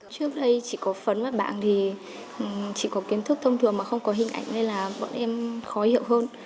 trước đây chỉ có phấn mắt bảng thì chỉ có kiến thức thông thường mà không có hình ảnh nên là bọn em khó hiểu hơn